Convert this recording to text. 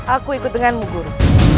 aku ikut denganmu guru